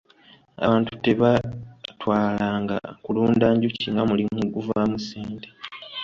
Abantu tebaatwalanga kulunda njuki nga mulimu oguvaamu ssente.